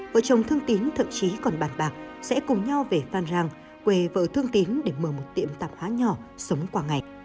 vợ chồng thương tín thậm chí còn bàn bạc sẽ cùng nhau về phan rang quê vợ thương tín để mở một tiệm tạp hóa nhỏ sống qua ngày